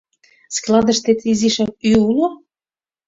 — Складыштет изишак ӱй уло?